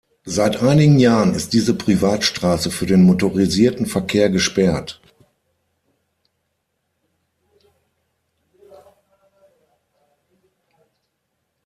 Seit einigen Jahren ist diese Privatstraße für den motorisierten Verkehr gesperrt.